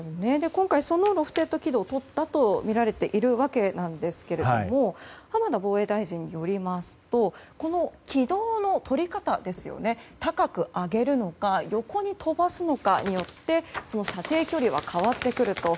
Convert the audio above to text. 今回そのロフテッド軌道をとったとみられているわけですが浜田防衛大臣によりますとこの軌道のとり方ですよね高く上げるのか横に飛ばすのかによって射程距離は変わってくると。